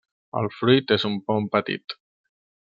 El fruit és un pom petit.